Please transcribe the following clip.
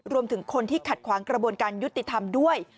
รวมถึงคนที่ขัดขวางกระบวนการยุติธรรมด้วย